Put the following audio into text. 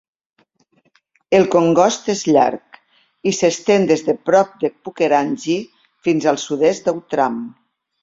El congost és llarg i s'estén des de prop de Pukerangi fins al sud-est d'Outram.